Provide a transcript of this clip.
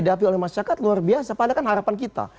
dihapi oleh masyarakat luar biasa padahal kan harapan kita